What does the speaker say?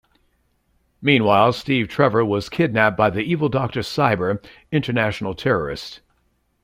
Meanwhile, Steve Trevor was kidnapped by the evil Doctor Cyber, international terrorist.